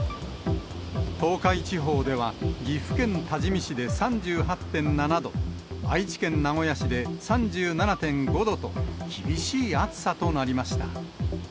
東海地方では、岐阜県多治見市で３８．７度、愛知県名古屋市で３７．５度と、厳しい暑さとなりました。